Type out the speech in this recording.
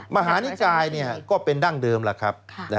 มหานิกายก็เป็นดั้งเดิมล่ะครับ